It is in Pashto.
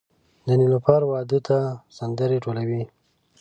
د نیلوفر واده ته سندرې ټولوي